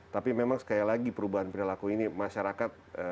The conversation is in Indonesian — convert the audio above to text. tapi memang sekali lagi perubahan perilaku ini masyarakat